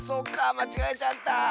まちがえちゃった！